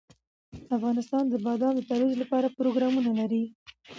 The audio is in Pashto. افغانستان د بادام د ترویج لپاره پروګرامونه لري.